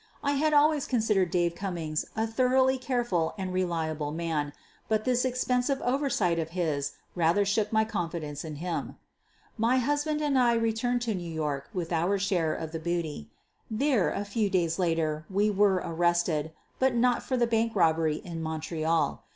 I had always consid ered Dave Cummings a thoroughly careful and re liable man, but this expensive oversight of his rather shook my confidence in him. ! My husband and I returned to New York with our share of the booty. There, a few days later, we were arrested, but not for the bank robbery in Montreal.